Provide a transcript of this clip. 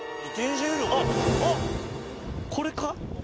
あっあっこれか？